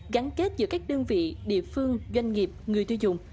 gắn kết giữa các đơn vị địa phương doanh nghiệp người tiêu dùng